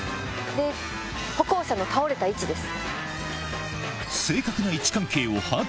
歩行者の倒れた位置です。